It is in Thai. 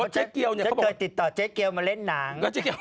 ชัยติดต่อเจ๊เกียวมาเล่นหนัง